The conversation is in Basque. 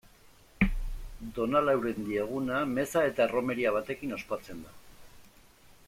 Done Laurendi eguna, meza eta erromeria batekin ospatzen da.